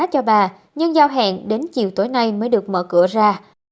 cho bà nhưng giao hẹn đến chiều tối nay mới được mở cửa ra